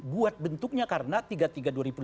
buat bentuknya karena tiga puluh tiga dua ribu lima belas